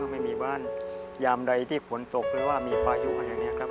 ไม่มีบ้านยามใดที่ฝนตกหรือว่ามีพายุอะไรอย่างนี้ครับ